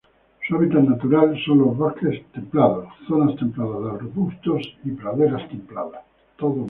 Su hábitat natural son los bosques templados, zonas templadas de arbustos y praderas templadas.